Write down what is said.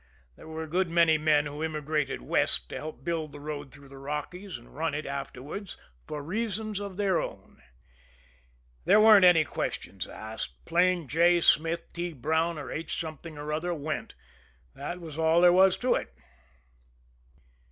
There were a good many men who immigrated West to help build the road through the Rockies, and run it afterwards for reasons of their own. There weren't any questions asked. Plain J. Smith, T. Brown or H. Something or other went that was all there was to it.